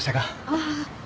ああ。